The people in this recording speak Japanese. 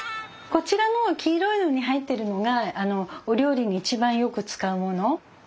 こちらの黄色いのに入ってるのがお料理に一番よく使うもの